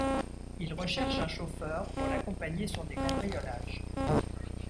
Il recherche un chauffeur pour l'accompagner sur des cambriolages.